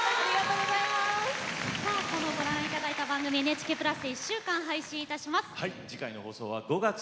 さあこのご覧頂いた番組「ＮＨＫプラス」で１週間配信いたします。